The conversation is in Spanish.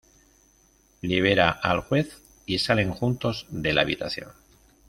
Libera al juez y salen juntos de la habitación.